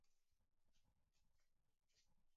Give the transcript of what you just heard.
圆齿瓦韦为水龙骨科瓦韦属下的一个种。